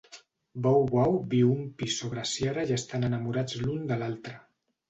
Bow Wow viu un pis sobre Ciara i estan enamorats l'un de l'altre.